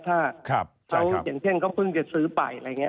ถ้าอย่างเช่นเขาเพิ่งจะซื้อไปอะไรอย่างนี้